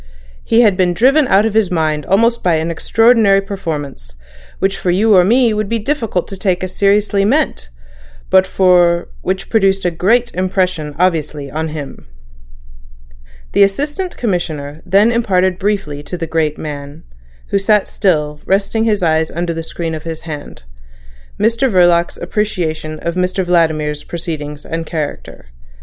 He had been driven out of his mind almost by an extraordinary performance, which for you or me it would be difficult to take as seriously meant, but which produced a great impression obviously on him." The Assistant Commissioner then imparted briefly to the great man, who sat still, resting his eyes under the screen of his hand, Mr Verloc's appreciation of Mr Vladimir's proceedings and character.